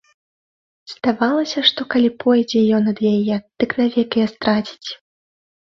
Здавалася, што калі пойдзе ён ад яе, дык навек яе страціць.